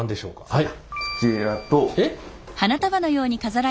はい。